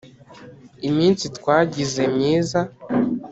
iminsi twagize myiza